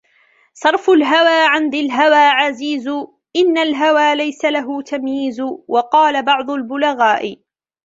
صَرْفُ الْهَوَى عَنْ ذِي الْهَوَى عَزِيزُ إنَّ الْهَوَى لَيْسَ لَهُ تَمْيِيزُ وَقَالَ بَعْضُ الْبُلَغَاءِ